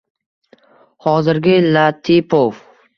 Hozirgi Latipov: